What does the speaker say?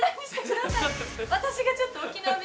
「私がちょっと沖縄弁